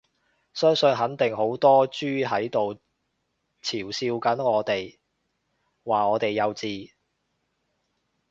相信肯定好多豬喺度嘲笑緊我哋，話我哋幼稚